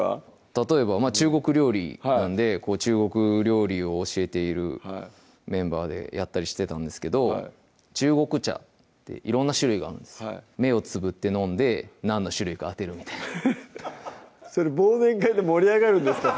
例えば中国料理なんで中国料理を教えているメンバーでやったりしてたんですけど中国茶って色んな種類があるんです目をつぶって飲んで何の種類か当てるみたいなフフッ忘年会で盛り上がるんですか？